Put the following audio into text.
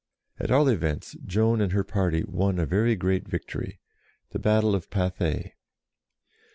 At all events, Joan and her party won a very great victory, the battle of Pathay.